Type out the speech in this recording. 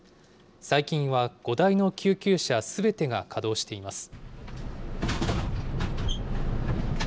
最近は５台の救急車すべてが稼働しています。